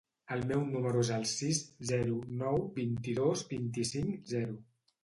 El meu número es el sis, zero, nou, vint-i-dos, vint-i-cinc, zero.